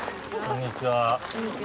こんにちは。